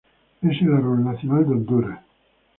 Es el árbol nacional de Honduras.